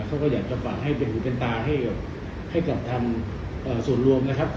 เขาก็อยากจะฝากให้เป็นหูเป็นตาให้กับทางส่วนรวมนะครับ